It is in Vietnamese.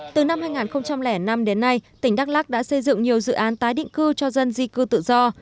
từ năm hai nghìn năm đến nay tỉnh đắk lắc đã xây dựng nhiều dự án tái định cư cho dân di cư tự do